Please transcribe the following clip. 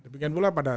bikin pula pada